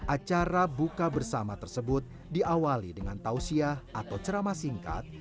acara buka bersama tersebut diawali dengan tausiah atau ceramah singkat